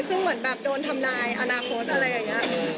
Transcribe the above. ซึ่งเหมือนแบบโดนทำนายอนาคตอะไรอย่างนี้